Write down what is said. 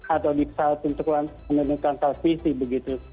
atau di pesawat untuk menurunkan transmisi begitu